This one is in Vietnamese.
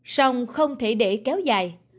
song không thể để kéo dài